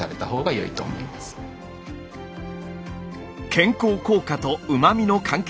健康効果とうま味の関係。